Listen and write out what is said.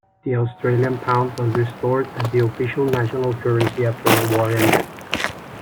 The Australian pound was restored as the official national currency after the war ended.